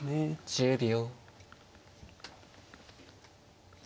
１０秒。